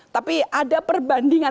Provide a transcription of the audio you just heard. tapi ada perbandingan